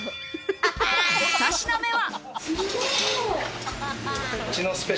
２品目は。